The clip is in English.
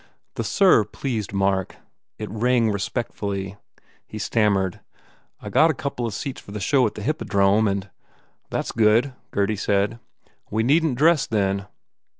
The "sir" pleased Mark. It rang respectfully. He stammered, "I got a couple of seats for the show at the Hippodrome and " "That s good," Gurdy said, "We needn t dress, then."